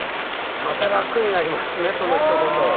また楽になりますねそのひと言。